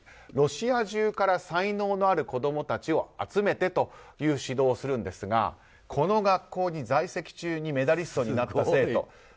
ロシア中から才能のある子供たちを集めてという指導するんですがこの学校に在籍中にメダリストになった生徒。